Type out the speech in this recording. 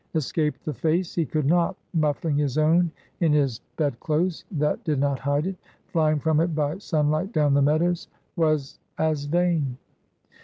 Escape the face he could not. Muffling his own in his bed clothes that did not hide it. Flying from it by sunlight down the meadows, was as vain.